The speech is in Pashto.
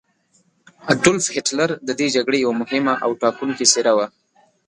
اډولف هیټلر د دې جګړې یوه مهمه او ټاکونکې څیره وه.